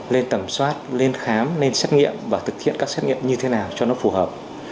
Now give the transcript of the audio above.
lên tầm soát lên khám lên xét nghiệm và thực hiện các xét nghiệm như thế nào cho nó phù hợp